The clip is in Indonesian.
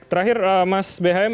terakhir mas bhm